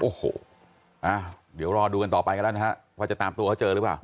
โอ้โหเดี๋ยวรอดูกันต่อไปกันแล้วนะฮะว่าจะตามตัวเขาเจอหรือเปล่า